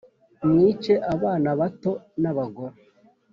Mwice abana bato n abagore